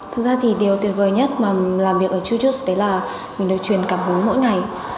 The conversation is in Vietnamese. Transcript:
thực ra thì điều tuyệt vời nhất mà mình làm việc ở youtube đấy là mình được truyền cảm hứng mỗi ngày